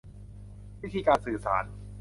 วิธีการสื่อสาร